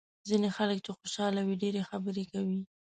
ځینې خلک چې خوشاله وي ډېرې خبرې کوي.